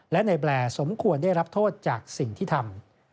และในแบลสมควรได้รับโทษจากสิ่งที่ทำ